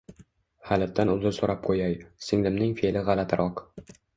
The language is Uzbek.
Halitdan uzr so`rab qo`yay, singlimning fe`li g`alatiroq